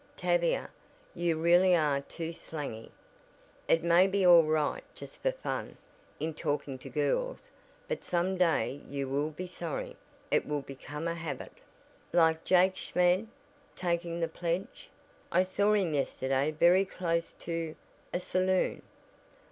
"Tavia, you really are too slangy. It may be all right just for fun, in talking to girls, but some day you will be sorry. It will become a habit." "Like Jake Schmid taking the pledge. I saw him yesterday very close to a saloon!"